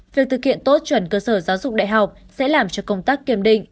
việc thực hiện tốt chuẩn cơ sở giáo dục đại học sẽ làm cho công tác kiểm định